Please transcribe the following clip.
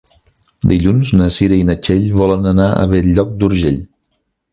Dilluns na Cira i na Txell volen anar a Bell-lloc d'Urgell.